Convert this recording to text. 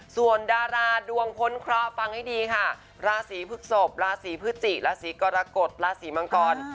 ส่วนดาราดวงพ้นคอฟังให้ดีค่ะลาสีพึกศพลาสีพฤจิลาสีกรกฎลาสีมังกร